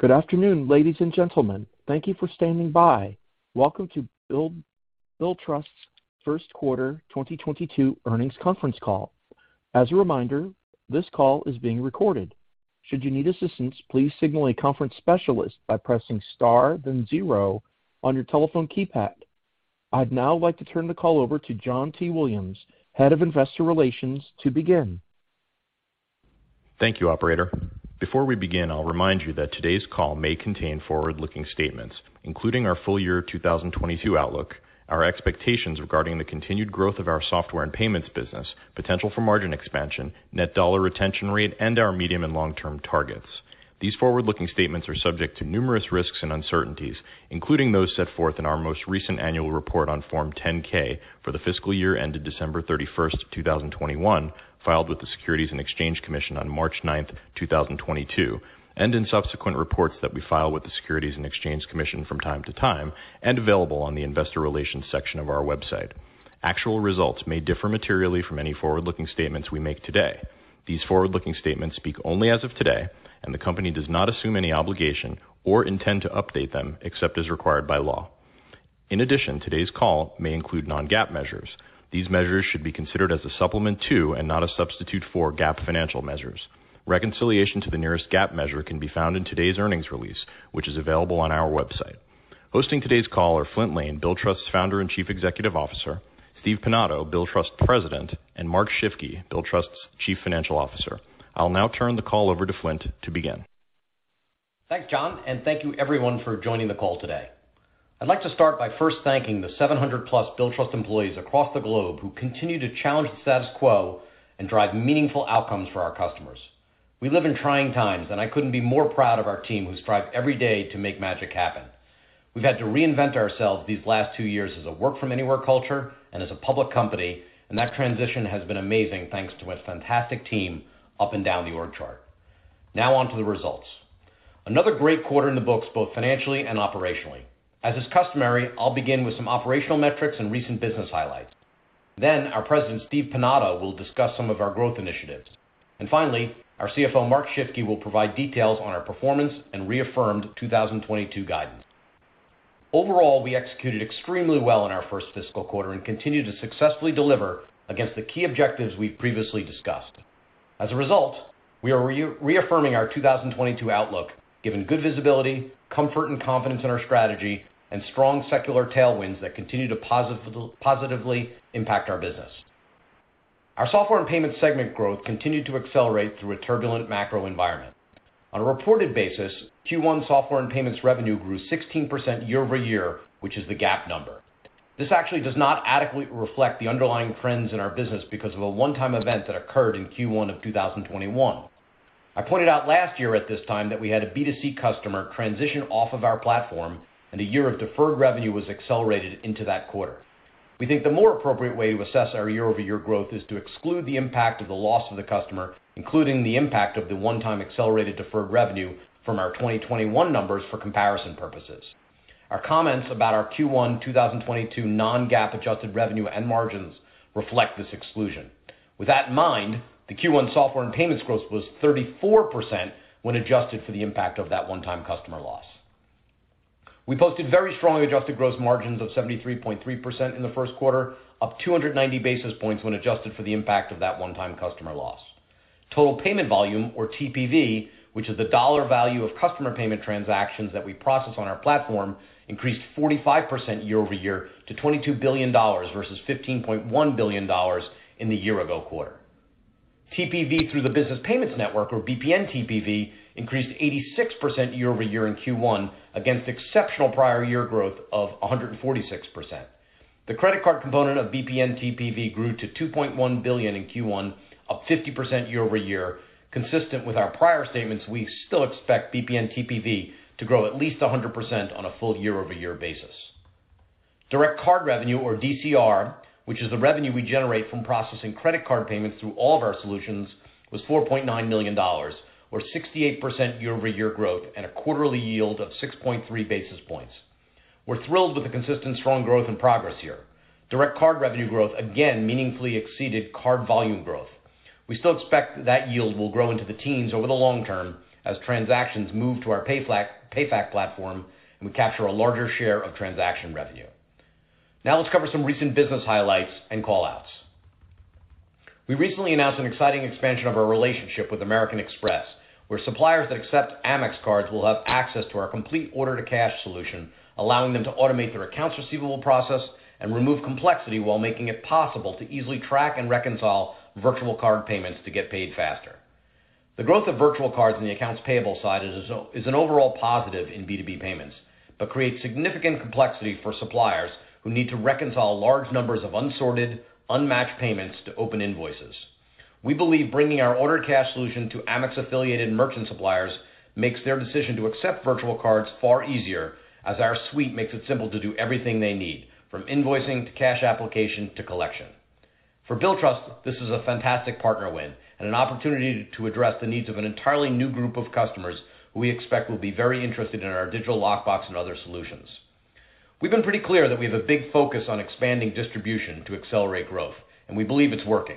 Good afternoon, ladies and gentlemen. Thank you for standing by. Welcome to Billtrust's first quarter 2022 earnings conference call. As a reminder, this call is being recorded. Should you need assistance, please signal a conference specialist by pressing Star, then zero on your telephone keypad. I'd now like to turn the call over to John T. Williams, Head of Investor Relations to begin. Thank you, operator. Before we begin, I'll remind you that today's call may contain forward-looking statements, including our full year 2022 outlook, our expectations regarding the continued growth of our software and payments business, potential for margin expansion, net dollar retention rate, and our medium and long-term targets. These forward-looking statements are subject to numerous risks and uncertainties, including those set forth in our most recent annual report on Form 10-K for the fiscal year ended December 31st, 2021, filed with the Securities and Exchange Commission on March 9th, 2022, and in subsequent reports that we file with the Securities and Exchange Commission from time to time, and available on the investor relations section of our website. Actual results may differ materially from any forward-looking statements we make today. These forward-looking statements speak only as of today, and the company does not assume any obligation or intend to update them except as required by law. In addition, today's call may include non-GAAP measures. These measures should be considered as a supplement to, and not a substitute for, GAAP financial measures. Reconciliation to the nearest GAAP measure can be found in today's earnings release, which is available on our website. Hosting today's call are Flint Lane, Billtrust's Founder and Chief Executive Officer, Steven Pinado, Billtrust's President, and Mark Shifke, Billtrust's Chief Financial Officer. I'll now turn the call over to Flint to begin. Thanks, John, and thank you everyone for joining the call today. I'd like to start by first thanking the 700+ Billtrust employees across the globe who continue to challenge the status quo and drive meaningful outcomes for our customers. We live in trying times, and I couldn't be more proud of our team who strive every day to make magic happen. We've had to reinvent ourselves these last two years as a work from anywhere culture and as a public company, and that transition has been amazing thanks to a fantastic team up and down the org chart. Now on to the results. Another great quarter in the books, both financially and operationally. As is customary, I'll begin with some operational metrics and recent business highlights. Then our President, Steven Pinado, will discuss some of our growth initiatives. Finally, our CFO, Mark Shifke, will provide details on our performance and reaffirmed 2022 guidance. Overall, we executed extremely well in our first fiscal quarter and continue to successfully deliver against the key objectives we've previously discussed. As a result, we are reaffirming our 2022 outlook, given good visibility, comfort and confidence in our strategy, and strong secular tailwinds that continue to positively impact our business. Our software and payments segment growth continued to accelerate through a turbulent macro environment. On a reported basis, Q1 software and payments revenue grew 16% year-over-year, which is the GAAP number. This actually does not adequately reflect the underlying trends in our business because of a one-time event that occurred in Q1 of 2021. I pointed out last year at this time that we had a B2C customer transition off of our platform, and a year of deferred revenue was accelerated into that quarter. We think the more appropriate way to assess our year-over-year growth is to exclude the impact of the loss of the customer, including the impact of the one-time accelerated deferred revenue from our 2021 numbers for comparison purposes. Our comments about our Q1 2022 non-GAAP adjusted revenue and margins reflect this exclusion. With that in mind, the Q1 software and payments growth was 34% when adjusted for the impact of that one-time customer loss. We posted very strong adjusted gross margins of 73.3% in the first quarter, up 290 basis points when adjusted for the impact of that one-time customer loss. Total payment volume or TPV, which is the dollar value of customer payment transactions that we process on our platform, increased 45% year-over-year to $22 billion, versus $15.1 billion in the year ago quarter. TPV through the business payments network or BPN TPV increased 86% year-over-year in Q1 against exceptional prior year growth of 146%. The credit card component of BPN TPV grew to $2.1 billion in Q1, up 50% year-over-year. Consistent with our prior statements, we still expect BPN TPV to grow at least 100% on a full year-over-year basis. Direct card revenue or DCR, which is the revenue we generate from processing credit card payments through all of our solutions, was $4.9 million or 68% year-over-year growth and a quarterly yield of 6.3 basis points. We're thrilled with the consistent strong growth and progress here. Direct card revenue growth again meaningfully exceeded card volume growth. We still expect that yield will grow into the teens over the long term as transactions move to our PayFac platform, and we capture a larger share of transaction revenue. Now let's cover some recent business highlights and call outs. We recently announced an exciting expansion of our relationship with American Express, where suppliers that accept Amex cards will have access to our complete order to cash solution, allowing them to automate their accounts receivable process and remove complexity while making it possible to easily track and reconcile virtual card payments to get paid faster. The growth of virtual cards in the accounts payable side is an overall positive in B2B payments, but creates significant complexity for suppliers who need to reconcile large numbers of unsorted, unmatched payments to open invoices. We believe bringing our order to cash solution to Amex-affiliated merchant suppliers makes their decision to accept virtual cards far easier as our suite makes it simple to do everything they need, from invoicing to cash application to collection. For Billtrust, this is a fantastic partner win and an opportunity to address the needs of an entirely new group of customers who we expect will be very interested in our Digital Lockbox and other solutions. We've been pretty clear that we have a big focus on expanding distribution to accelerate growth, and we believe it's working.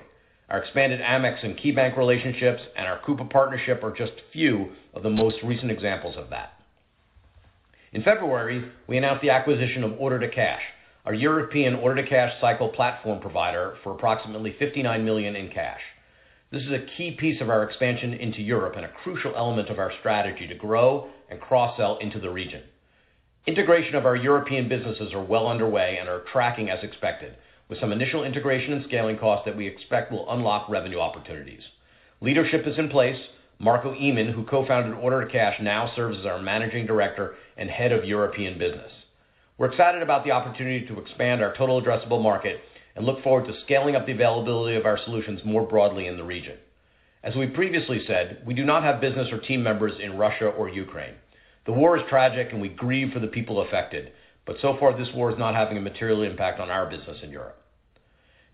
Our expanded Amex and KeyBanc relationships and our Coupa partnership are just a few of the most recent examples of that. In February, we announced the acquisition of Order-to-Cash, our European order-to-cash cycle platform provider for approximately $59 million in cash. This is a key piece of our expansion into Europe and a crucial element of our strategy to grow and cross-sell into the region. Integration of our European businesses are well underway and are tracking as expected, with some initial integration and scaling costs that we expect will unlock revenue opportunities. Leadership is in place. Marco Eeman, who co-founded Order2Cash, now serves as our Managing Director and Head of European Business. We're excited about the opportunity to expand our total addressable market and look forward to scaling up the availability of our solutions more broadly in the region. As we previously said, we do not have business or team members in Russia or Ukraine. The war is tragic, and we grieve for the people affected, but so far, this war is not having a material impact on our business in Europe.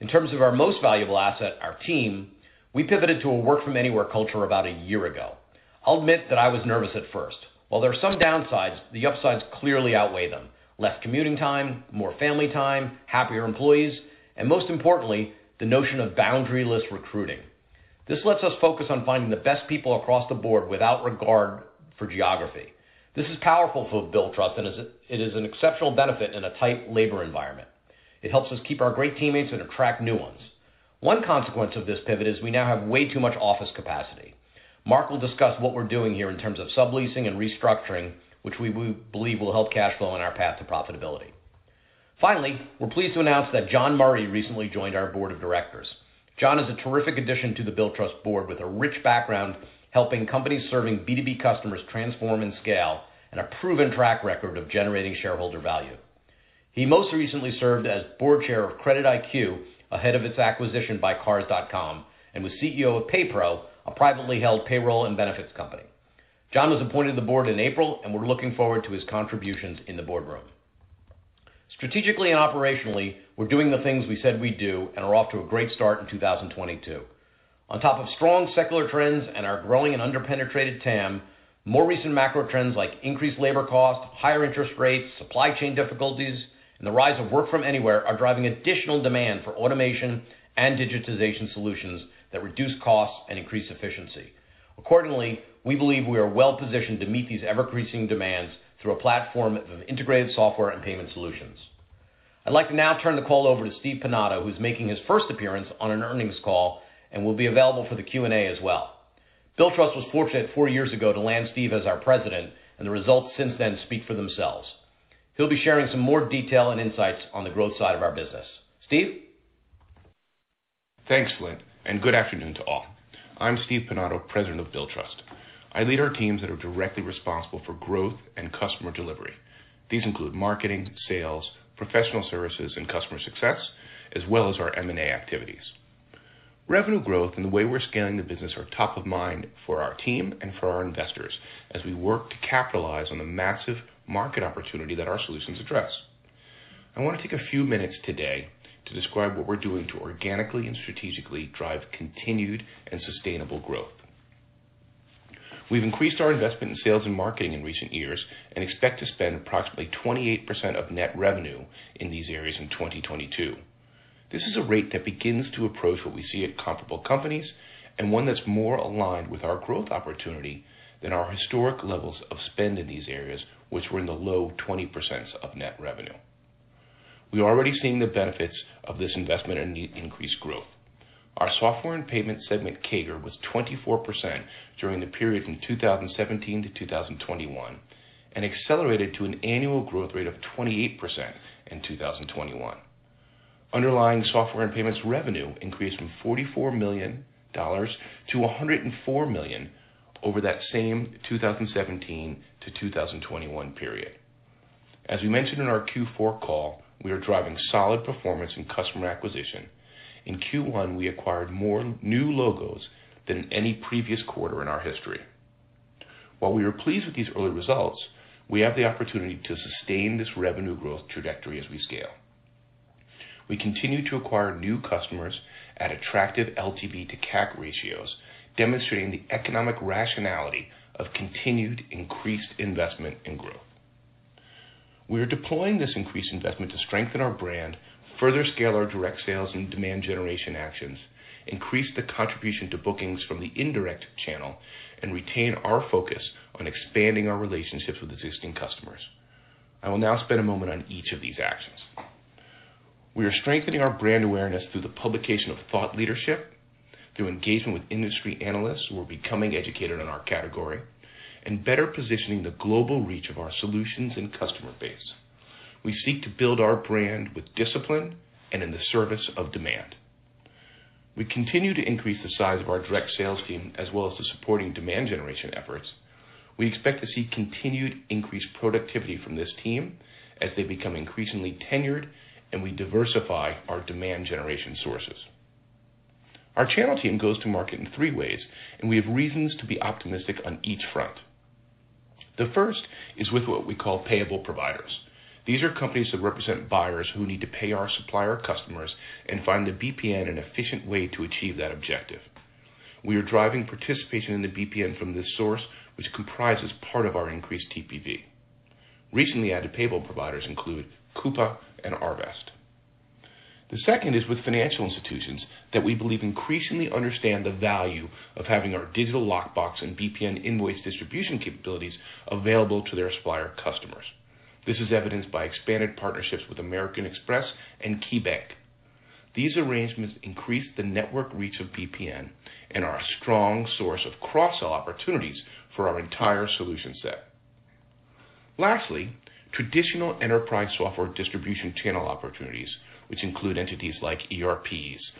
In terms of our most valuable asset, our team, we pivoted to a work-from-anywhere culture about a year ago. I'll admit that I was nervous at first. While there are some downsides, the upsides clearly outweigh them. Less commuting time, more family time, happier employees, and most importantly, the notion of boundary-less recruiting. This lets us focus on finding the best people across the board without regard for geography. This is powerful for Billtrust, and is an exceptional benefit in a tight labor environment. It helps us keep our great teammates and attract new ones. One consequence of this pivot is we now have way too much office capacity. Mark will discuss what we're doing here in terms of subleasing and restructuring, which we believe will help cash flow on our path to profitability. Finally, we're pleased to announce that John Murray recently joined our board of directors. John is a terrific addition to the Billtrust board with a rich background helping companies serving B2B customers transform and scale, and a proven track record of generating shareholder value. He most recently served as board chair of CreditIQ, ahead of its acquisition by Cars.com, and was CEO of PayPro, a privately held payroll and benefits company. John was appointed to the board in April, and we're looking forward to his contributions in the boardroom. Strategically and operationally, we're doing the things we said we'd do and are off to a great start in 2022. On top of strong secular trends and our growing and under-penetrated TAM, more recent macro trends like increased labor costs, higher interest rates, supply chain difficulties, and the rise of work from anywhere are driving additional demand for automation and digitization solutions that reduce costs and increase efficiency. Accordingly, we believe we are well-positioned to meet these ever-increasing demands through a platform of integrated software and payment solutions. I'd like to now turn the call over to Steve Pinado, who's making his first appearance on an earnings call and will be available for the Q&A as well. Billtrust was fortunate four years ago to land Steve as our President, and the results since then speak for themselves. He'll be sharing some more detail and insights on the growth side of our business. Steve? Thanks, Flint, and good afternoon to all. I'm Steve Pinado, President of Billtrust. I lead our teams that are directly responsible for growth and customer delivery. These include marketing, sales, professional services, and customer success, as well as our M&A activities. Revenue growth and the way we're scaling the business are top of mind for our team and for our investors as we work to capitalize on the massive market opportunity that our solutions address. I want to take a few minutes today to describe what we're doing to organically and strategically drive continued and sustainable growth. We've increased our investment in sales and marketing in recent years and expect to spend approximately 28% of net revenue in these areas in 2022. This is a rate that begins to approach what we see at comparable companies and one that's more aligned with our growth opportunity than our historic levels of spend in these areas, which were in the low 20% of net revenue. We are already seeing the benefits of this investment in increased growth. Our software and payments segment CAGR was 24% during the period from 2017 to 2021 and accelerated to an annual growth rate of 28% in 2021. Underlying software and payments revenue increased from $44 million to $104 million over that same 2017 to 2021 period. As we mentioned in our Q4 call, we are driving solid performance in customer acquisition. In Q1, we acquired more new logos than in any previous quarter in our history. While we are pleased with these early results, we have the opportunity to sustain this revenue growth trajectory as we scale. We continue to acquire new customers at attractive LTV to CAC ratios, demonstrating the economic rationality of continued increased investment in growth. We are deploying this increased investment to strengthen our brand, further scale our direct sales and demand generation actions, increase the contribution to bookings from the indirect channel, and retain our focus on expanding our relationships with existing customers. I will now spend a moment on each of these actions. We are strengthening our brand awareness through the publication of thought leadership, through engagement with industry analysts who are becoming educated on our category, and better positioning the global reach of our solutions and customer base. We seek to build our brand with discipline and in the service of demand. We continue to increase the size of our direct sales team, as well as the supporting demand generation efforts. We expect to see continued increased productivity from this team as they become increasingly tenured and we diversify our demand generation sources. Our channel team goes to market in three ways, and we have reasons to be optimistic on each front. The first is with what we call payable providers. These are companies that represent buyers who need to pay our supplier customers and find the BPN an efficient way to achieve that objective. We are driving participation in the BPN from this source, which comprises part of our increased TPV. Recently added payable providers include Coupa and Arvest. The second is with financial institutions that we believe increasingly understand the value of having our Digital Lockbox and BPN invoice distribution capabilities available to their supplier customers. This is evidenced by expanded partnerships with American Express and KeyBanc. These arrangements increase the network reach of BPN and are a strong source of cross-sell opportunities for our entire solution set. Lastly, traditional enterprise software distribution channel opportunities, which include entities like ERPs,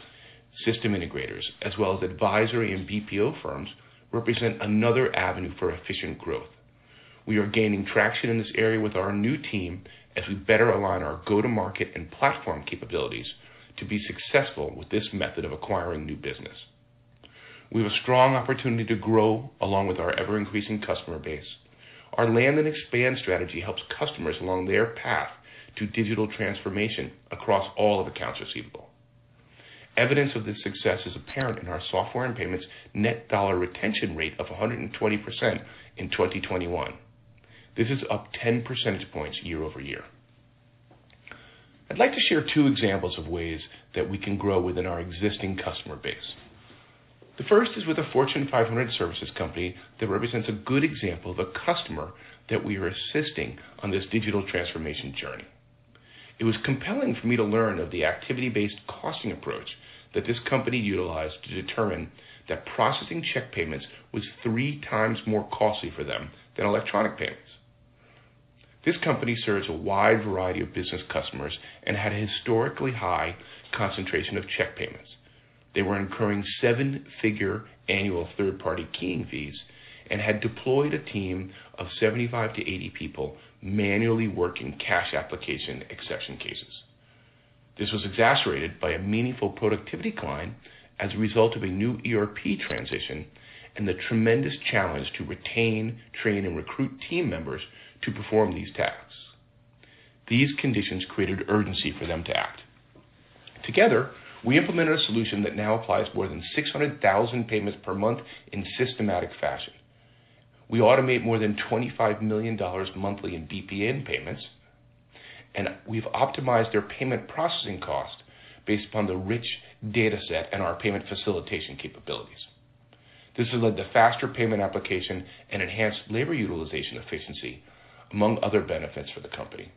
system integrators, as well as advisory and BPO firms, represent another avenue for efficient growth. We are gaining traction in this area with our new team as we better align our go-to-market and platform capabilities to be successful with this method of acquiring new business. We have a strong opportunity to grow along with our ever-increasing customer base. Our land and expand strategy helps customers along their path to digital transformation across all of accounts receivable. Evidence of this success is apparent in our software and payments net dollar retention rate of 120% in 2021. This is up 10 percentage points year-over-year. I'd like to share two examples of ways that we can grow within our existing customer base. The first is with a Fortune 500 services company that represents a good example of a customer that we are assisting on this digital transformation journey. It was compelling for me to learn of the activity-based costing approach that this company utilized to determine that processing check payments was three times more costly for them than electronic payments. This company serves a wide variety of business customers and had a historically high concentration of check payments. They were incurring seven-figure annual third-party keying fees and had deployed a team of 75-80 people manually working cash application exception cases. This was exacerbated by a meaningful productivity decline as a result of a new ERP transition and the tremendous challenge to retain, train, and recruit team members to perform these tasks. These conditions created urgency for them to act. Together, we implemented a solution that now applies more than 600,000 payments per month in systematic fashion. We automate more than $25 million monthly in BPN payments, and we've optimized their payment processing cost based upon the rich data set and our payment facilitation capabilities. This has led to faster payment application and enhanced labor utilization efficiency, among other benefits for the company.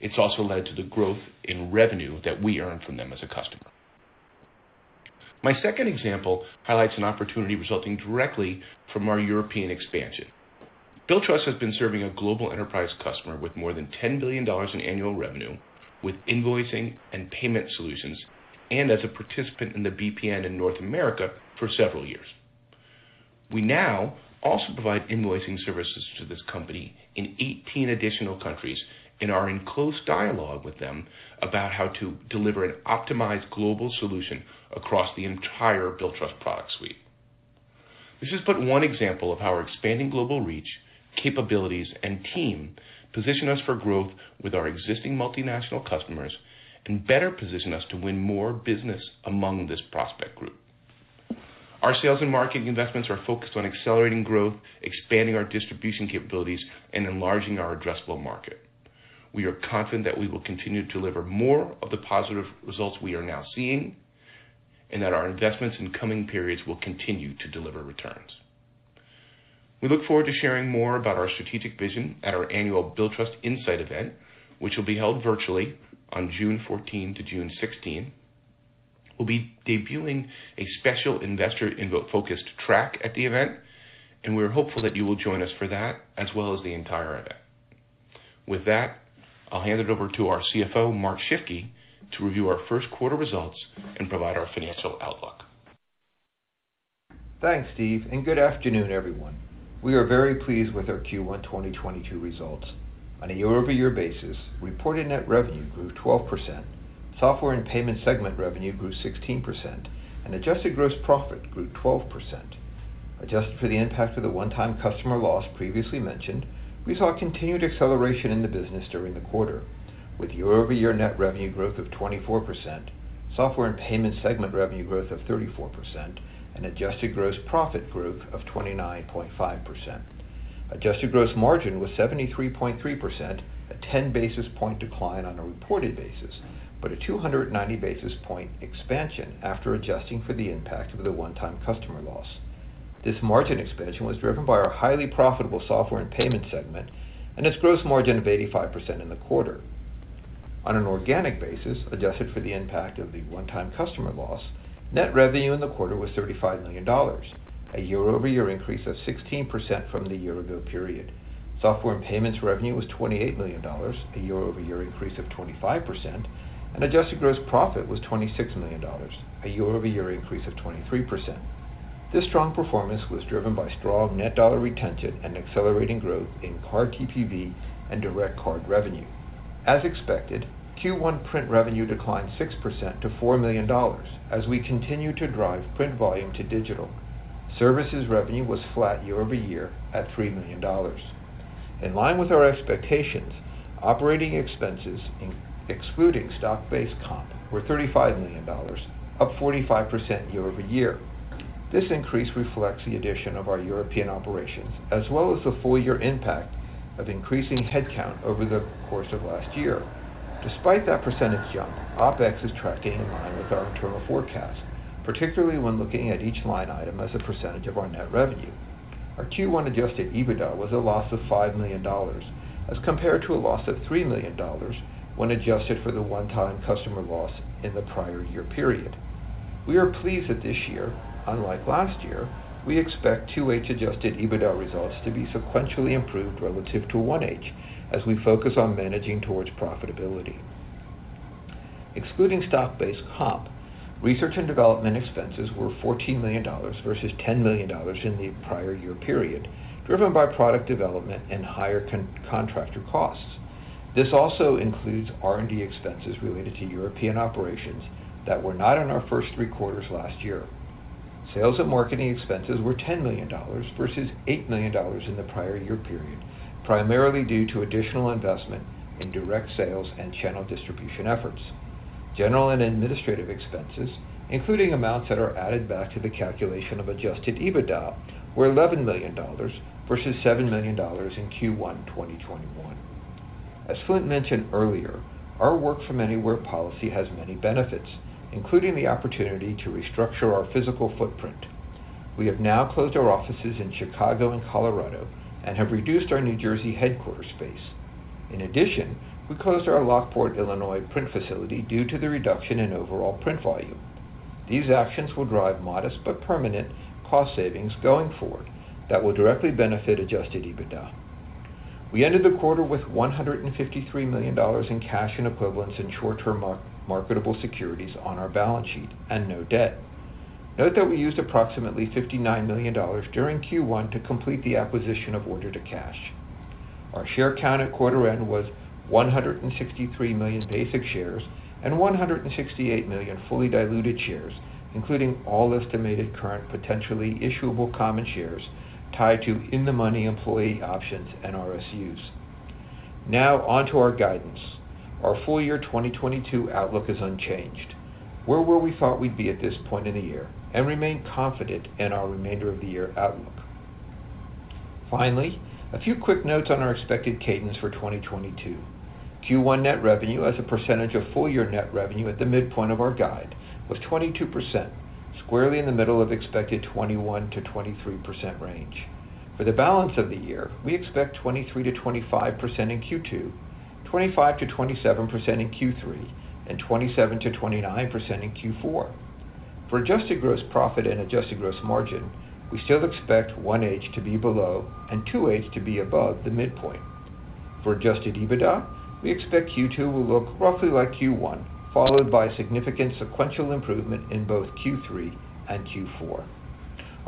It's also led to the growth in revenue that we earn from them as a customer. My second example highlights an opportunity resulting directly from our European expansion. Billtrust has been serving a global enterprise customer with more than $10 billion in annual revenue with invoicing and payment solutions and as a participant in the BPN in North America for several years. We now also provide invoicing services to this company in 18 additional countries and are in close dialogue with them about how to deliver an optimized global solution across the entire Billtrust product suite. This is but one example of how our expanding global reach, capabilities, and team position us for growth with our existing multinational customers and better position us to win more business among this prospect group. Our sales and marketing investments are focused on accelerating growth, expanding our distribution capabilities, and enlarging our addressable market. We are confident that we will continue to deliver more of the positive results we are now seeing and that our investments in coming periods will continue to deliver returns. We look forward to sharing more about our strategic vision at our annual Billtrust Insight event, which will be held virtually on June fourteenth to June sixteenth. We'll be debuting a special investor and industry focused track at the event, and we're hopeful that you will join us for that as well as the entire event. With that, I'll hand it over to our CFO, Mark Shifke, to review our first quarter results and provide our financial outlook. Thanks, Steve, and good afternoon, everyone. We are very pleased with our Q1 2022 results. On a year-over-year basis, reported net revenue grew 12%. Software and payment segment revenue grew 16%, and adjusted gross profit grew 12%. Adjusted for the impact of the one-time customer loss previously mentioned, we saw continued acceleration in the business during the quarter with year-over-year net revenue growth of 24%, software and payment segment revenue growth of 34%, and adjusted gross profit growth of 29.5%. Adjusted gross margin was 73.3%, a 10 basis points decline on a reported basis, but a 290 basis points expansion after adjusting for the impact of the one-time customer loss. This margin expansion was driven by our highly profitable software and payment segment and its gross margin of 85% in the quarter. On an organic basis, adjusted for the impact of the one-time customer loss, net revenue in the quarter was $35 million, a year-over-year increase of 16% from the year-ago period. Software and payments revenue was $28 million, a year-over-year increase of 25%, and adjusted gross profit was $26 million, a year-over-year increase of 23%. This strong performance was driven by strong net dollar retention and accelerating growth in card TPV and direct card revenue. As expected, Q1 print revenue declined 6% to $4 million as we continue to drive print volume to digital. Services revenue was flat year over year at $3 million. In line with our expectations, operating expenses excluding stock-based comp were $35 million, up 45% year-over-year. This increase reflects the addition of our European operations, as well as the full year impact of increasing head count over the course of last year. Despite that percentage jump, OpEx is tracking in line with our internal forecast, particularly when looking at each line item as a percentage of our net revenue. Our Q1 adjusted EBITDA was a loss of $5 million as compared to a loss of $3 million when adjusted for the one-time customer loss in the prior year period. We are pleased that this year, unlike last year, we expect 2H adjusted EBITDA results to be sequentially improved relative to 1H as we focus on managing towards profitability. Excluding stock-based comp, research and development expenses were $14 million versus $10 million in the prior year period, driven by product development and higher contractor costs. This also includes R&D expenses related to European operations that were not in our first three quarters last year. Sales and marketing expenses were $10 million versus $8 million in the prior year period, primarily due to additional investment in direct sales and channel distribution efforts. General and administrative expenses, including amounts that are added back to the calculation of adjusted EBITDA, were $11 million versus $7 million in Q1 2021. As Flint mentioned earlier, our work from anywhere policy has many benefits, including the opportunity to restructure our physical footprint. We have now closed our offices in Chicago and Colorado and have reduced our New Jersey headquarters space. In addition, we closed our Lockport, Illinois, print facility due to the reduction in overall print volume. These actions will drive modest but permanent cost savings going forward that will directly benefit adjusted EBITDA. We ended the quarter with $153 million in cash and equivalents in short-term marketable securities on our balance sheet and no debt. Note that we used approximately $59 million during Q1 to complete the acquisition of Order2Cash. Our share count at quarter end was 163 million basic shares and 168 million fully diluted shares, including all estimated current potentially issuable common shares tied to in-the-money employee options and RSUs. Now on to our guidance. Our full year 2022 outlook is unchanged. We're where we thought we'd be at this point in the year and remain confident in our remainder of the year outlook. Finally, a few quick notes on our expected cadence for 2022. Q1 net revenue as a percentage of full year net revenue at the midpoint of our guide was 22%, squarely in the middle of expected 21%-23% range. For the balance of the year, we expect 23%-25% in Q2, 25%-27% in Q3, and 27%-29% in Q4. For adjusted gross profit and adjusted gross margin, we still expect 1H to be below and 2H to be above the midpoint. For adjusted EBITDA, we expect Q2 will look roughly like Q1, followed by significant sequential improvement in both Q3 and Q4.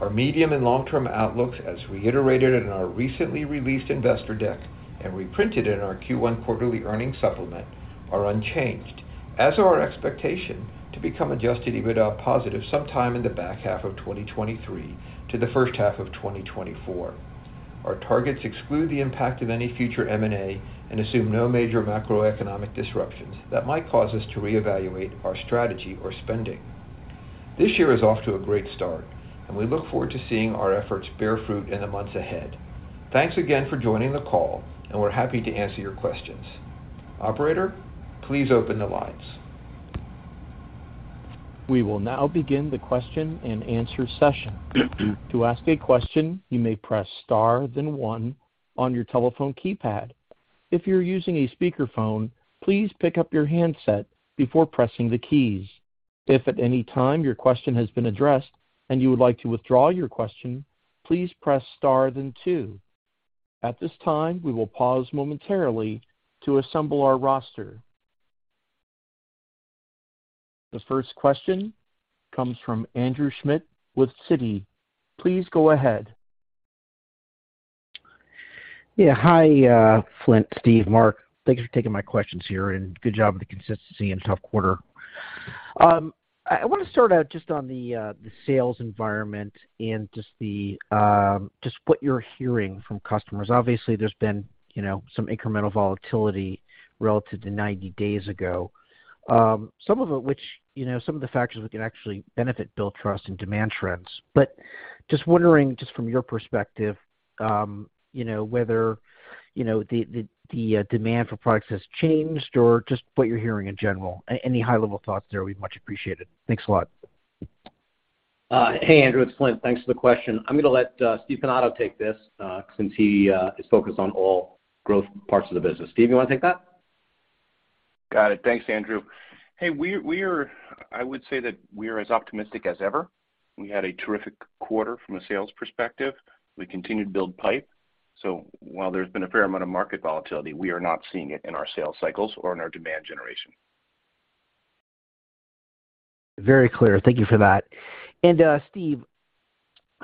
Our medium and long-term outlooks, as reiterated in our recently released investor deck and reprinted in our Q1 quarterly earnings supplement, are unchanged, as are our expectation to become adjusted EBITDA positive sometime in the back half of 2023 to the first half of 2024. Our targets exclude the impact of any future M&A and assume no major macroeconomic disruptions that might cause us to reevaluate our strategy or spending. This year is off to a great start, and we look forward to seeing our efforts bear fruit in the months ahead. Thanks again for joining the call, and we're happy to answer your questions. Operator, please open the lines. We will now begin the question-and-answer session. To ask a question, you may press star, then one on your telephone keypad. If you're using a speakerphone, please pick up your handset before pressing the keys. If at any time your question has been addressed and you would like to withdraw your question, please press star then two. At this time, we will pause momentarily to assemble our roster. The first question comes from Andrew Schmidt with Citi. Please go ahead. Yeah. Hi, Flint, Steve, Mark, thanks for taking my questions here, and good job with the consistency in a tough quarter. I wanna start out just on the sales environment and just what you're hearing from customers. Obviously, there's been, you know, some incremental volatility relative to 90 days ago, some of it which, you know, some of the factors that can actually benefit Billtrust and demand trends. But just wondering, just from your perspective, you know, whether, you know, the demand for products has changed or just what you're hearing in general. Any high level thoughts there will be much appreciated? Thanks a lot. Hey, Andrew. It's Flint. Thanks for the question. I'm gonna let Steven Pinado take this, since he is focused on all growth parts of the business. Steve, you wanna take that? Got it. Thanks, Andrew. Hey, I would say that we are as optimistic as ever. We had a terrific quarter from a sales perspective. We continue to build pipe. While there's been a fair amount of market volatility, we are not seeing it in our sales cycles or in our demand generation. Very clear. Thank you for that. Steve,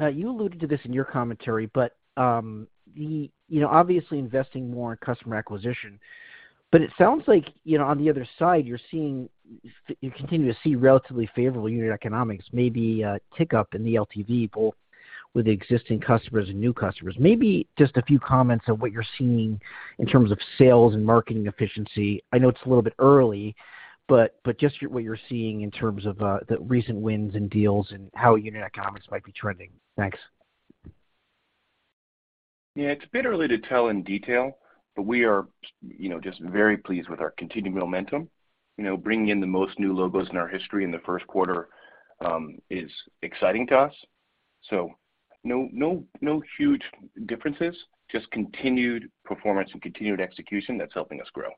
you alluded to this in your commentary, but the you know, obviously investing more in customer acquisition. But it sounds like, you know, on the other side, you're seeing you continue to see relatively favorable unit economics, maybe a tick up in the LTV both with existing customers and new customers. Maybe just a few comments on what you're seeing in terms of sales and marketing efficiency? I know it's a little bit early, but just what you're seeing in terms of the recent wins and deals and how unit economics might be trending? Thanks. Yeah. It's a bit early to tell in detail, but we are, you know, just very pleased with our continued momentum. You know, bringing in the most new logos in our history in the first quarter is exciting to us. No huge differences, just continued performance and continued execution that's helping us grow.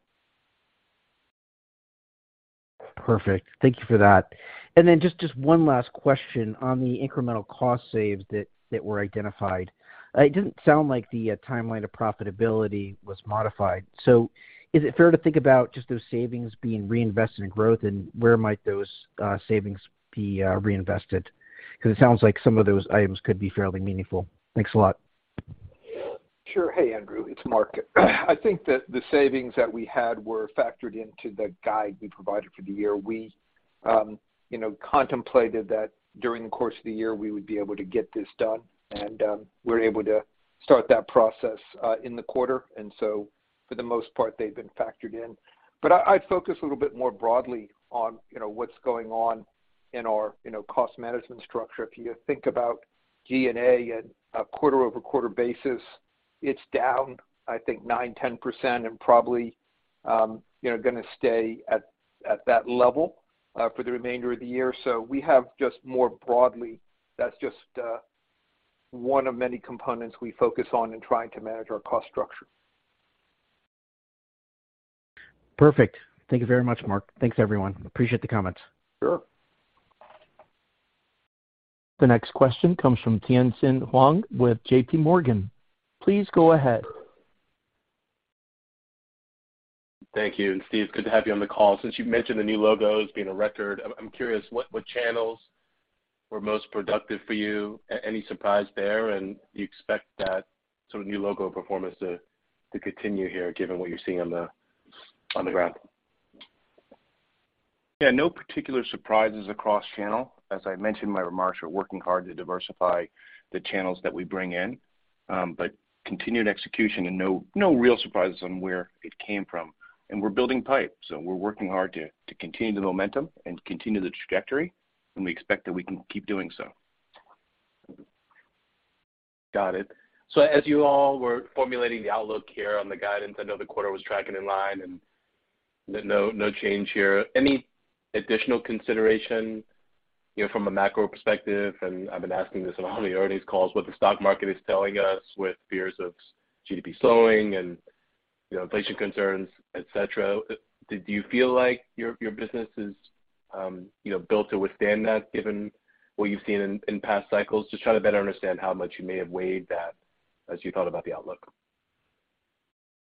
Perfect. Thank you for that. Just one last question on the incremental cost saves that were identified. It didn't sound like the timeline to profitability was modified. Is it fair to think about just those savings being reinvested in growth, and where might those savings be reinvested? Because it sounds like some of those items could be fairly meaningful. Thanks a lot. Sure. Hey, Andrew, it's Mark. I think that the savings that we had were factored into the guide we provided for the year. We, you know, contemplated that during the course of the year, we would be able to get this done, and, we're able to start that process in the quarter. For the most part, they've been factored in. I'd focus a little bit more broadly on, you know, what's going on in our, you know, cost management structure. If you think about G&A at a quarter-over-quarter basis, it's down, I think, 9%-10% and probably, you know, gonna stay at that level for the remainder of the year. We have just more broadly, that's just one of many components we focus on in trying to manage our cost structure. Perfect. Thank you very much, Mark. Thanks, everyone. Appreciate the comments. Sure. The next question comes from Tien-Tsin Huang with JPMorgan. Please go ahead. Thank you. Steve, good to have you on the call. Since you've mentioned the new logos being a record, I'm curious what channels were most productive for you? Any surprise there? Do you expect that sort of new logo performance to continue here given what you're seeing on the ground? Yeah, no particular surprises across channel. As I mentioned in my remarks, we're working hard to diversify the channels that we bring in. Continued execution and no real surprises on where it came from. We're building pipe, so we're working hard to continue the momentum and continue the trajectory, and we expect that we can keep doing so. Got it. As you all were formulating the outlook here on the guidance, I know the quarter was tracking in line and no change here. Any additional consideration, you know, from a macro perspective, and I've been asking this on how many earnings calls, what the stock market is telling us with fears of GDP slowing and, you know, inflation concerns, et cetera. Do you feel like your business is, you know, built to withstand that given what you've seen in past cycles? Just trying to better understand how much you may have weighed that as you thought about the outlook?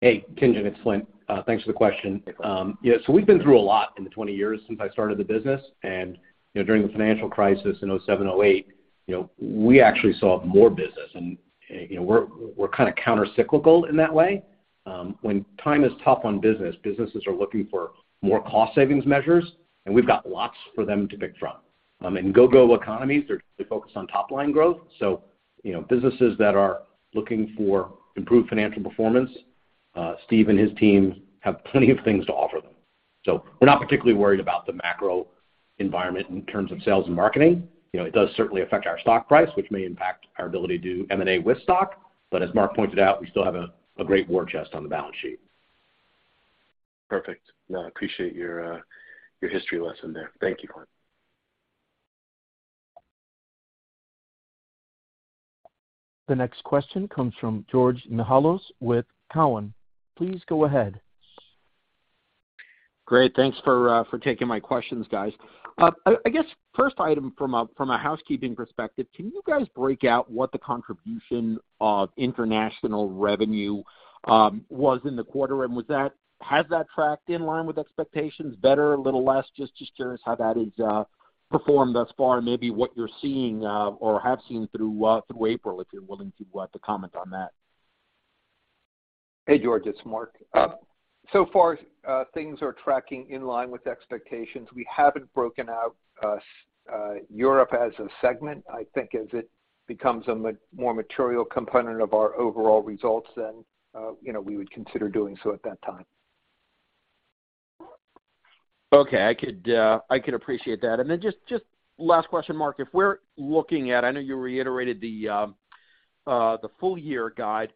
Hey, Tien-Tsin Huang, it's Flint Lane. Thanks for the question. We've been through a lot in the 20 years since I started the business. You know, during the financial crisis in 2007, 2008, you know, we actually saw more business. You know, we're kinda countercyclical in that way. When time is tough on business, businesses are looking for more cost savings measures, and we've got lots for them to pick from. In go-go economies, they're focused on top-line growth. You know, businesses that are looking for improved financial performance, Steven Pinado and his team have plenty of things to offer them. We're not particularly worried about the macro environment in terms of sales and marketing. You know, it does certainly affect our stock price, which may impact our ability to do M&A with stock. As Mark pointed out, we still have a great war chest on the balance sheet. Perfect. No, I appreciate your history lesson there. Thank you. The next question comes from George Mihalos with Cowen. Please go ahead. Great. Thanks for taking my questions, guys. I guess first item from a housekeeping perspective, can you guys break out what the contribution of international revenue was in the quarter? Has that tracked in line with expectations better, a little less? Just curious how that has performed thus far and maybe what you're seeing or have seen through April, if you're willing to comment on that? Hey, George, it's Mark. So far, things are tracking in line with expectations. We haven't broken out Europe as a segment. I think as it becomes a more material component of our overall results, then, you know, we would consider doing so at that time. Okay. I could appreciate that. Just last question, Mark. If we're looking at, I know you reiterated the full year guide.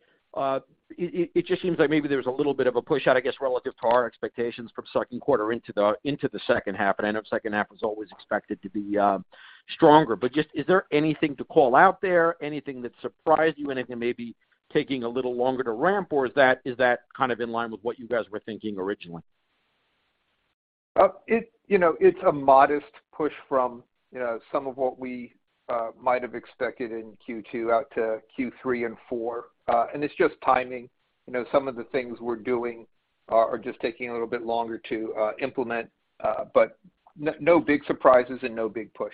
It just seems like maybe there was a little bit of a push out, I guess, relative to our expectations from second quarter into the second half. I know second half was always expected to be stronger. Just, is there anything to call out there? Anything that surprised you? Anything maybe taking a little longer to ramp? Or is that kind of in line with what you guys were thinking originally? You know, it's a modest push from, you know, some of what we might have expected in Q2 out to Q3 and Q4. It's just timing. You know, some of the things we're doing are just taking a little bit longer to implement. No big surprises and no big push.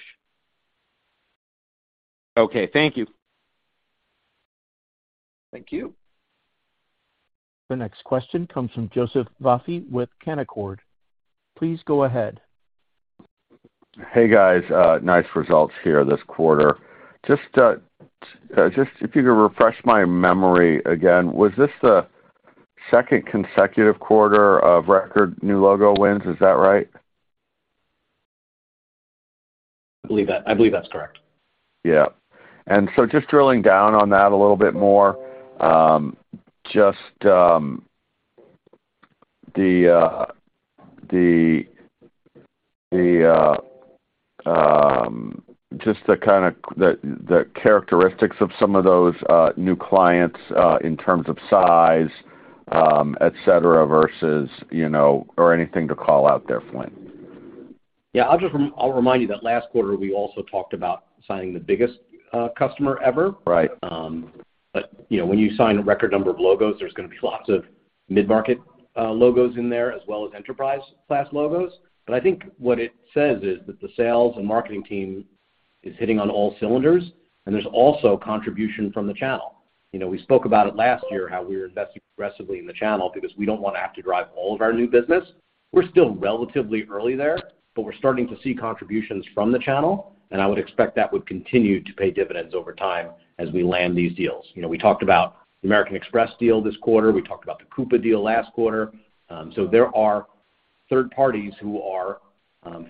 Okay, thank you. Thank you. The next question comes from Joseph Vafi with Canaccord. Please go ahead. Hey, guys, nice results here this quarter. Just if you could refresh my memory again, was this the second consecutive quarter of record new logo wins? Is that right? I believe that's correct. Yeah. Just drilling down on that a little bit more, just the kind of characteristics of some of those new clients in terms of size, et cetera, versus, you know, or anything to call out there, Flint. Yeah. I'll remind you that last quarter we also talked about signing the biggest customer ever. Right. You know, when you sign a record number of logos, there's gonna be lots of mid-market logos in there, as well as enterprise class logos. I think what it says is that the sales and marketing team is hitting on all cylinders, and there's also contribution from the channel. You know, we spoke about it last year, how we were investing aggressively in the channel because we don't wanna have to drive all of our new business. We're still relatively early there, but we're starting to see contributions from the channel, and I would expect that would continue to pay dividends over time as we land these deals. You know, we talked about the American Express deal this quarter. We talked about the Coupa deal last quarter. There are third parties who are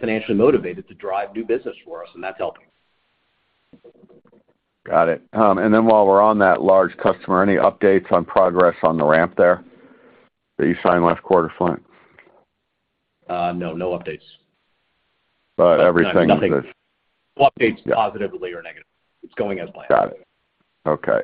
financially motivated to drive new business for us, and that's helping. Got it. While we're on that large customer, any updates on progress on the ramp there that you signed last quarter, Flint Lane? No. No updates. Everything is. Nothing. No updates positively or negatively. It's going as planned. Got it. Okay.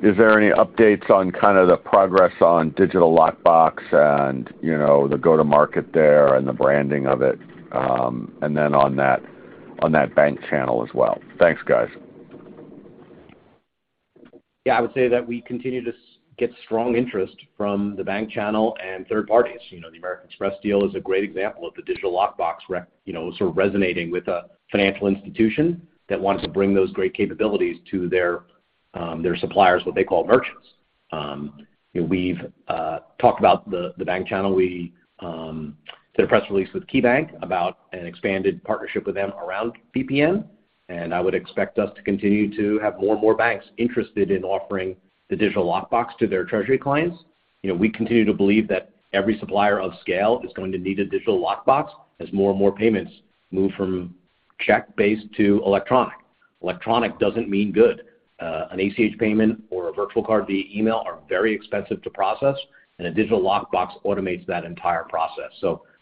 Is there any updates on kinda the progress on Digital Lockbox and, you know, the go-to-market there and the branding of it? On that bank channel as well. Thanks, guys. Yeah. I would say that we continue to get strong interest from the bank channel and third parties. You know, the American Express deal is a great example of the Digital Lockbox you know, sort of resonating with a financial institution that wants to bring those great capabilities to their their suppliers, what they call merchants. You know, we've talked about the bank channel. We did a press release with KeyBanc about an expanded partnership with them around BPN, and I would expect us to continue to have more and more banks interested in offering the Digital Lockbox to their treasury clients. You know, we continue to believe that every supplier of scale is going to need a Digital Lockbox as more and more payments move from check-based to electronic. Electronic doesn't mean good. An ACH payment or a virtual card via email are very expensive to process, and a Digital Lockbox automates that entire process.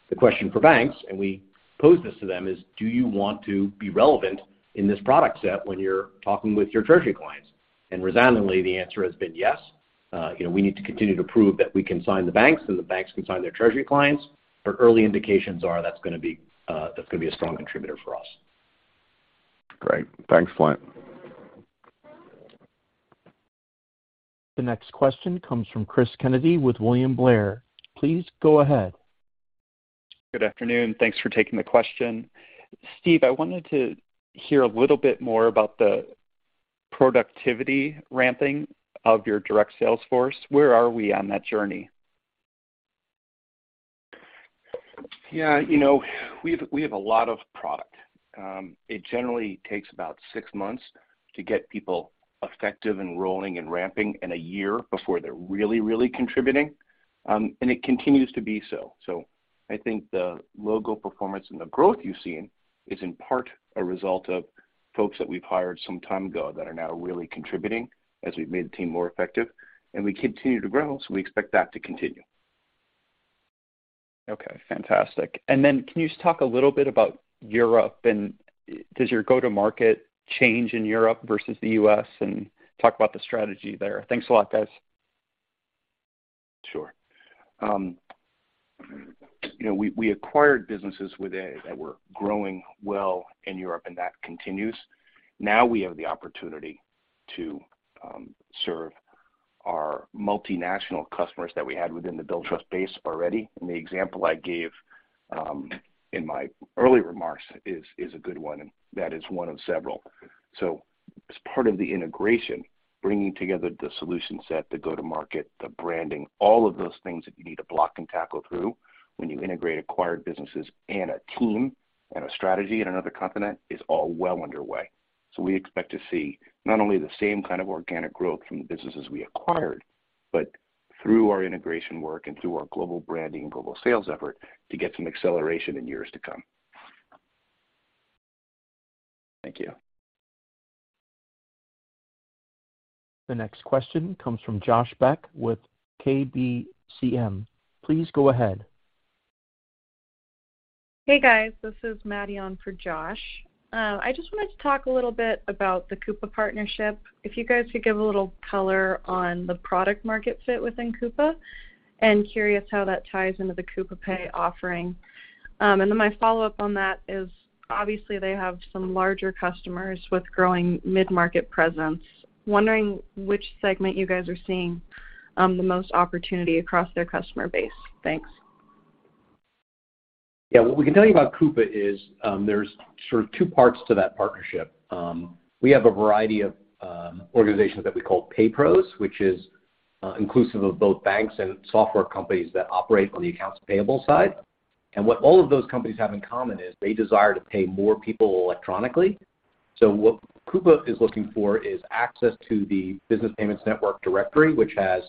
The question for banks, and we pose this to them, is do you want to be relevant in this product set when you're talking with your treasury clients? Resoundingly, the answer has been yes. You know, we need to continue to prove that we can sign the banks and the banks can sign their treasury clients, but early indications are that's gonna be a strong contributor for us. Great. Thanks, Flint. The next question comes from Cris Kennedy with William Blair. Please go ahead. Good afternoon. Thanks for taking the question. Steve, I wanted to hear a little bit more about the productivity ramping of your direct sales force. Where are we on that journey? Yeah. You know, we have a lot of product. It generally takes about six months to get people effective and rolling and ramping, and a year before they're really contributing, and it continues to be so. I think the logo performance and the growth you've seen is in part a result of folks that we've hired some time ago that are now really contributing as we've made the team more effective, and we continue to grow, so we expect that to continue. Okay, fantastic. Can you just talk a little bit about Europe, and does your go-to-market change in Europe versus the U.S., and talk about the strategy there? Thanks a lot, guys. Sure. You know, we acquired businesses that were growing well in Europe, and that continues. Now we have the opportunity to serve our multinational customers that we had within the Billtrust base already. The example I gave in my early remarks is a good one, and that is one of several. As part of the integration, bringing together the solution set, the go-to-market, the branding, all of those things that you need to block and tackle through when you integrate acquired businesses and a team and a strategy in another continent is all well underway. We expect to see not only the same kind of organic growth from the businesses we acquired, but through our integration work and through our global branding and global sales effort to get some acceleration in years to come. Thank you. The next question comes from Josh Beck with KBCM. Please go ahead. Hey, guys. This is Maddie on for Josh. I just wanted to talk a little bit about the Coupa partnership. If you guys could give a little color on the product market fit within Coupa, and curious how that ties into the Coupa Pay offering? My follow-up on that is obviously they have some larger customers with growing mid-market presence. Wondering which segment you guys are seeing, the most opportunity across their customer base? Thanks. Yeah, what we can tell you about Coupa is, there's sort of two parts to that partnership. We have a variety of organizations that we call PayPros, which is inclusive of both banks and software companies that operate on the accounts payable side. What all of those companies have in common is they desire to pay more people electronically. What Coupa is looking for is access to the business payments network directory, which has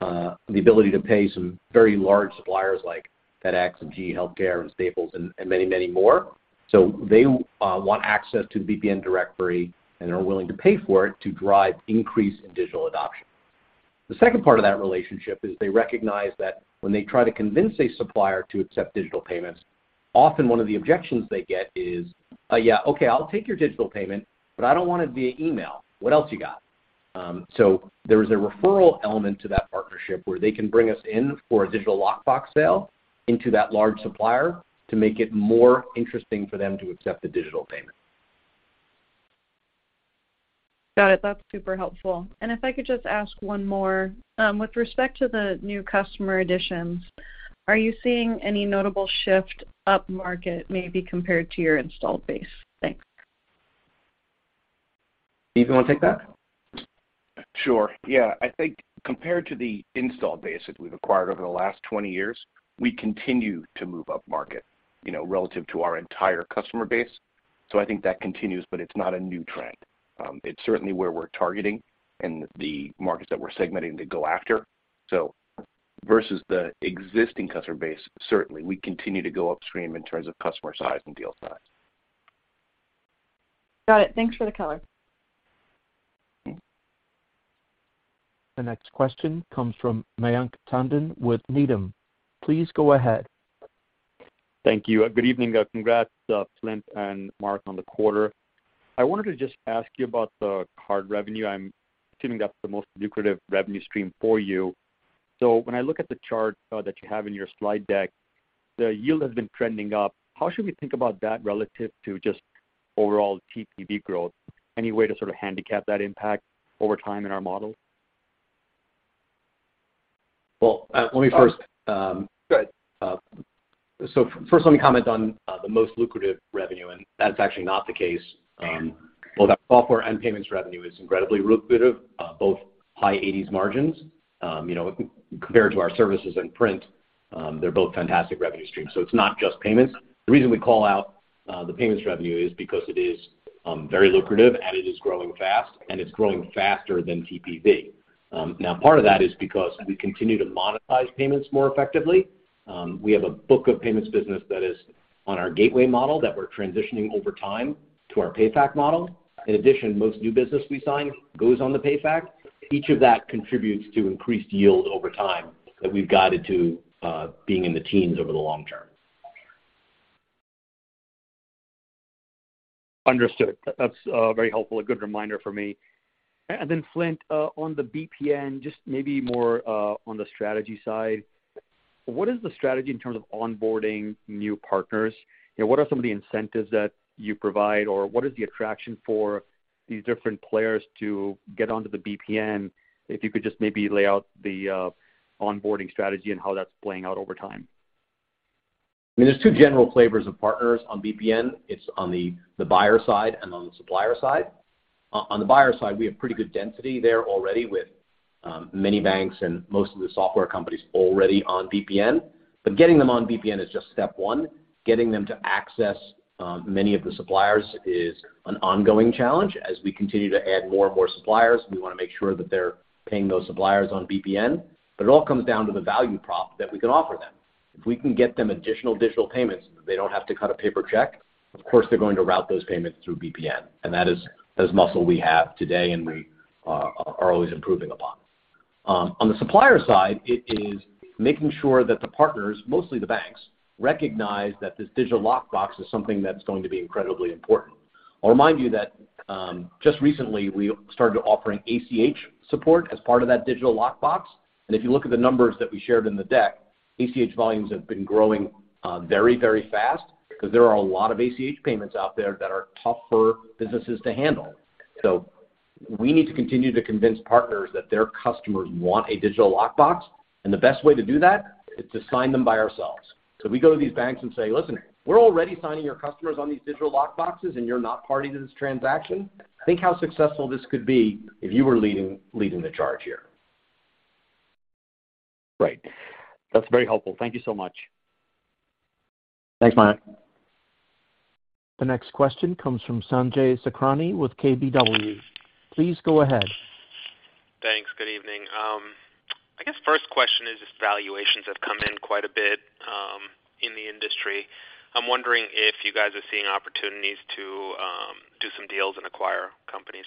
the ability to pay some very large suppliers like FedEx and GE Healthcare and Staples and many, many more. They want access to the BPN directory and are willing to pay for it to drive increase in digital adoption. The second part of that relationship is they recognize that when they try to convince a supplier to accept digital payments, often one of the objections they get is, "Yeah, okay, I'll take your digital payment, but I don't wanna via email. What else you got?" So there is a referral element to that partnership where they can bring us in for a Digital Lockbox sale into that large supplier to make it more interesting for them to accept the digital payment. Got it. That's super helpful. If I could just ask one more. With respect to the new customer additions, are you seeing any notable shift upmarket, maybe compared to your installed base? Thanks. Steve, you wanna take that? Sure. Yeah. I think compared to the install base that we've acquired over the last 20 years, we continue to move upmarket, you know, relative to our entire customer base. So I think that continues, but it's not a new trend. It's certainly where we're targeting and the markets that we're segmenting to go after. So versus the existing customer base, certainly, we continue to go upstream in terms of customer size and deal size. Got it. Thanks for the color. The next question comes from Mayank Tandon with Needham. Please go ahead. Thank you. Good evening. Congrats, Flint and Mark, on the quarter. I wanted to just ask you about the card revenue. I'm assuming that's the most lucrative revenue stream for you. When I look at the chart that you have in your slide deck, the yield has been trending up. How should we think about that relative to just overall TPV growth? Any way to sort of handicap that impact over time in our model? Well, let me first, Go ahead. Let me comment on the most lucrative revenue, and that's actually not the case. Okay. Both our software and payments revenue is incredibly lucrative, both high 80s margins. You know, compared to our services in print, they're both fantastic revenue streams, so it's not just payments. The reason we call out the payments revenue is because it is very lucrative, and it is growing fast, and it's growing faster than TPV. Now part of that is because we continue to monetize payments more effectively. We have a book of payments business that is on our gateway model that we're transitioning over time to our PayFac model. In addition, most new business we sign goes on the PayFac. Each of that contributes to increased yield over time that we've guided to being in the teens over the long term. Understood. That's very helpful, a good reminder for me. Then Flint, on the BPN, just maybe more on the strategy side, what is the strategy in terms of onboarding new partners? You know, what are some of the incentives that you provide, or what is the attraction for these different players to get onto the BPN? If you could just maybe lay out the onboarding strategy and how that's playing out over time? I mean, there's two general flavors of partners on BPN. It's on the buyer side and on the supplier side. On the buyer side, we have pretty good density there already with many banks and most of the software companies already on BPN. Getting them on BPN is just step one. Getting them to access many of the suppliers is an ongoing challenge. As we continue to add more and more suppliers, we wanna make sure that they're paying those suppliers on BPN. It all comes down to the value prop that we can offer them. If we can get them additional digital payments, they don't have to cut a paper check, of course, they're going to route those payments through BPN, and that is muscle we have today, and we are always improving upon. On the supplier side, it is making sure that the partners, mostly the banks, recognize that this Digital Lockbox is something that's going to be incredibly important. I'll remind you that, just recently, we started offering ACH support as part of that Digital Lockbox. If you look at the numbers that we shared in the deck, ACH volumes have been growing, very, very fast because there are a lot of ACH payments out there that are tough for businesses to handle. We need to continue to convince partners that their customers want a Digital Lockbox, and the best way to do that is to sign them by ourselves. We go to these banks and say, "Listen, we're already signing your customers on these Digital Lockboxes, and you're not party to this transaction. Think how successful this could be if you were leading the charge here. Right. That's very helpful. Thank you so much. Thanks, Mayank. The next question comes from Sanjay Sakhrani with KBW. Please go ahead. Thanks. Good evening. I guess first question is valuations have come in quite a bit, in the industry. I'm wondering if you guys are seeing opportunities to do some deals and acquire companies?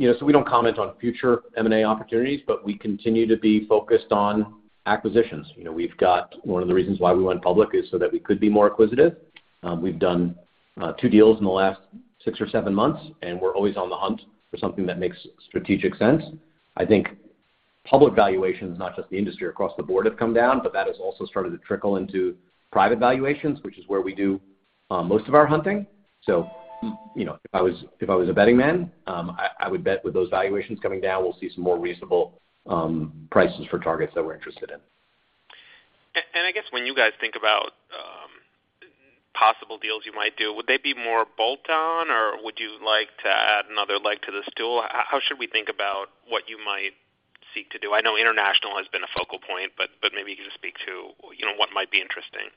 You know, we don't comment on future M&A opportunities, but we continue to be focused on acquisitions. You know, we've got one of the reasons why we went public is so that we could be more acquisitive. We've done two deals in the last six or seven months, and we're always on the hunt for something that makes strategic sense. I think public valuations, not just the industry across the board, have come down, but that has also started to trickle into private valuations, which is where we do most of our hunting. You know, if I was a betting man, I would bet with those valuations coming down, we'll see some more reasonable prices for targets that we're interested in. I guess when you guys think about possible deals you might do, would they be more bolt-on, or would you like to add another leg to the stool? How should we think about what you might seek to do? I know international has been a focal point, but maybe you can just speak to, you know, what might be interesting?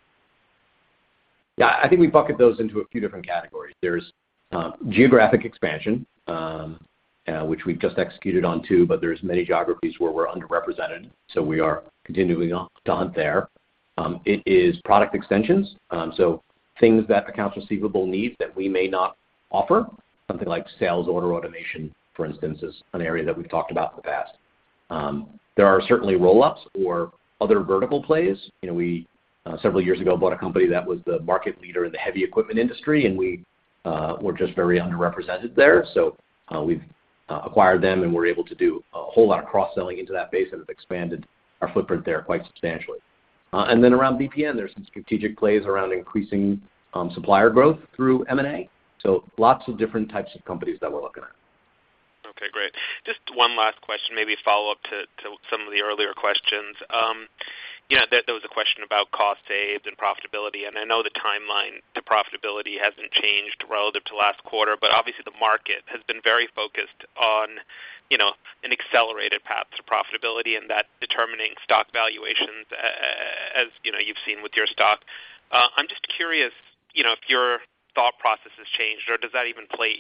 Yeah. I think we bucket those into a few different categories. There's geographic expansion, which we've just executed on too, but there's many geographies where we're underrepresented, so we are continuing to hunt there. It is product extensions, so things that accounts receivable needs that we may not offer, something like sales order automation, for instance, is an area that we've talked about in the past. There are certainly roll-ups or other vertical plays. You know, we several years ago bought a company that was the market leader in the heavy equipment industry, and we were just very underrepresented there. We've acquired them, and we're able to do a whole lot of cross-selling into that base, and have expanded our footprint there quite substantially. around BPN, there's some strategic plays around increasing supplier growth through M&A. Lots of different types of companies that we're looking at. Okay, great. Just one last question, maybe a follow-up to some of the earlier questions. You know, there was a question about cost savings and profitability, and I know the timeline to profitability hasn't changed relative to last quarter, but obviously, the market has been very focused on, you know, an accelerated path to profitability and that determining stock valuations as, you know, you've seen with your stock. I'm just curious, you know, if your thought process has changed or does that even play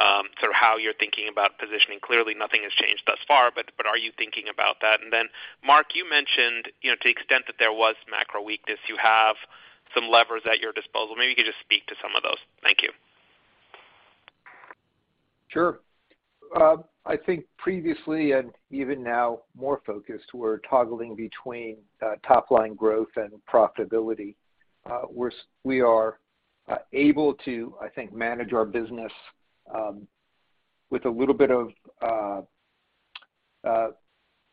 into sort of how you're thinking about positioning? Clearly, nothing has changed thus far, but are you thinking about that? And then, Mark, you mentioned, you know, to the extent that there was macro weakness, you have some levers at your disposal. Maybe you could just speak to some of those? Thank you. Sure. I think previously and even now, more focused, we're toggling between top-line growth and profitability. We are able to, I think, manage our business with a little bit of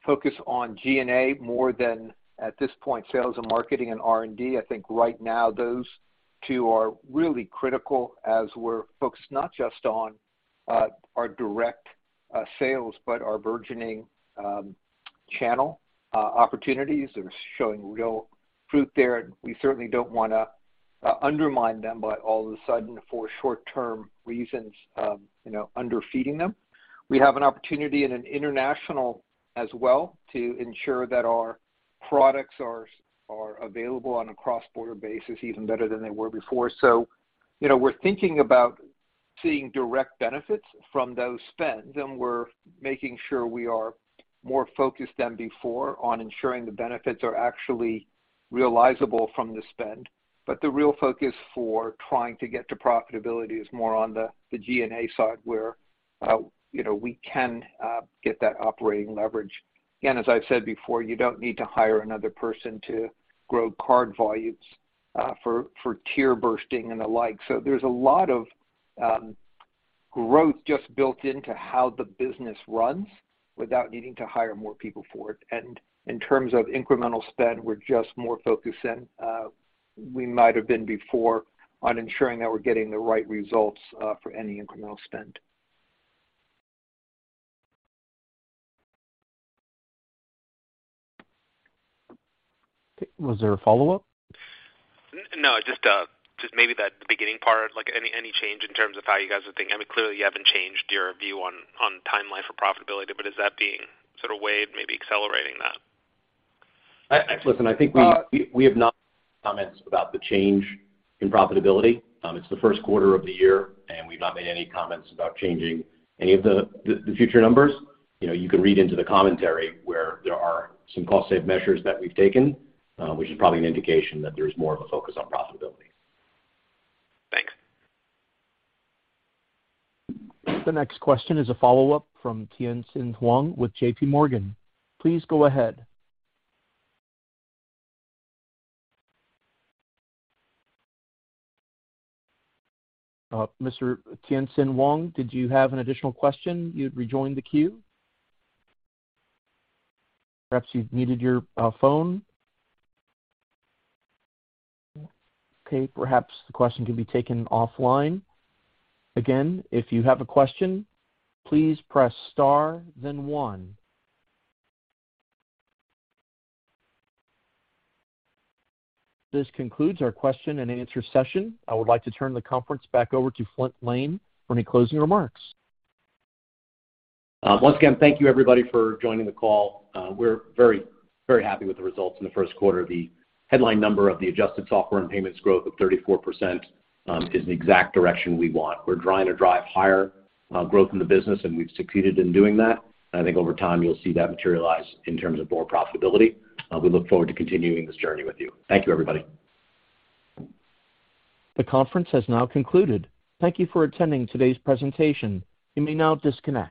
focus on G&A more than at this point, sales and marketing and R&D. I think right now those two are really critical as we're focused not just on our direct sales, but our burgeoning channel opportunities are showing real fruit there. We certainly don't wanna undermine them by all of a sudden, for short-term reasons, you know, underfeeding them. We have an opportunity in an international as well to ensure that our products are available on a cross-border basis even better than they were before. You know, we're thinking about seeing direct benefits from those spends, and we're making sure we are more focused than before on ensuring the benefits are actually realizable from the spend. The real focus for trying to get to profitability is more on the G&A side, where you know, we can get that operating leverage. Again, as I've said before, you don't need to hire another person to grow card volumes for tier bursting and the like. There's a lot of growth just built into how the business runs without needing to hire more people for it. In terms of incremental spend, we're just more focused than we might have been before on ensuring that we're getting the right results for any incremental spend. Okay, was there a follow-up? No, just maybe that beginning part, like any change in terms of how you guys are thinking. I mean, clearly you haven't changed your view on timeline for profitability, but is that being sort of weighed, maybe accelerating that? Listen, I think we have no comments about the change in profitability. It's the first quarter of the year, and we've not made any comments about changing any of the future numbers. You know, you can read into the commentary where there are some cost-saving measures that we've taken, which is probably an indication that there's more of a focus on profitability. Thanks. The next question is a follow-up from Tien-Tsin Huang with JPMorgan. Please go ahead. Mr. Tien-Tsin Huang, did you have an additional question? You've rejoined the queue. Perhaps you've muted your phone. Okay, perhaps the question can be taken offline. Again, if you have a question, please press star then one. This concludes our question and answer session. I would like to turn the conference back over to Flint Lane for any closing remarks. Once again, thank you everybody for joining the call. We're very, very happy with the results in the first quarter. The headline number of the adjusted software and payments growth of 34% is the exact direction we want. We're trying to drive higher growth in the business, and we've succeeded in doing that. I think over time, you'll see that materialize in terms of more profitability. We look forward to continuing this journey with you. Thank you, everybody. The conference has now concluded. Thank you for attending today's presentation. You may now disconnect.